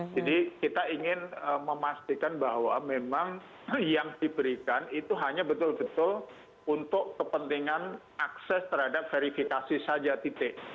jadi kita ingin memastikan bahwa memang yang diberikan itu hanya betul betul untuk kepentingan akses terhadap verifikasi saja titik